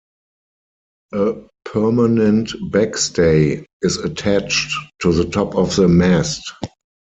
A permanent backstay is attached to the top of the mast.